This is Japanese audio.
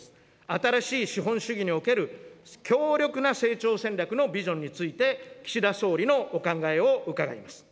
新しい資本主義における強力な成長戦略のビジョンについて、岸田総理のお考えを伺います。